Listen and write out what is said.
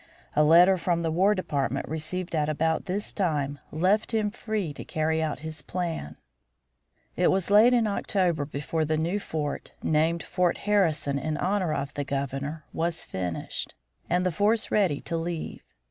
A letter from the War Department received at about this time left him free to carry out his plans. It was late in October before the new fort, named Fort Harrison in honor of the Governor, was finished, and the force ready to leave.